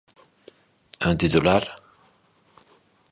E un titular?